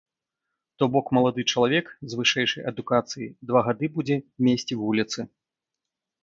То бок, малады чалавек з вышэйшай адукацыяй два гады будзе месці вуліцы.